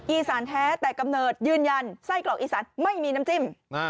อีสานแท้แต่กำเนิดยืนยันไส้กรอกอีสานไม่มีน้ำจิ้ม